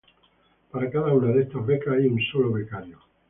Para cada una de estas becas hay un solo becario.